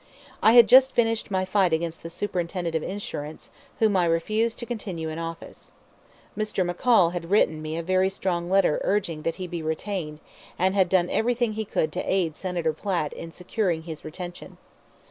I had just finished my fight against the Superintendent of Insurance, whom I refused to continue in office. Mr. McCall had written me a very strong letter urging that he be retained, and had done everything he could to aid Senator Platt in securing his retention.